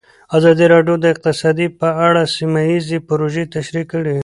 ازادي راډیو د اقتصاد په اړه سیمه ییزې پروژې تشریح کړې.